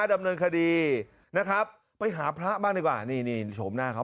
ดำเนินคดีนะครับไปหาพระบ้านดีกว่าชมหน้าเขา